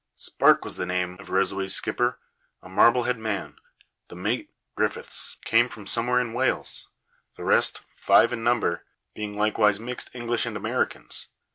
Sparke was the name of Rosaway's skipper, a Marblehead man; the mate, Griffiths, came from somewhere in Wales; the rest, five in number, being likewise mixed English and Americans.